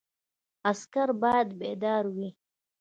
عسکر باید بیدار وي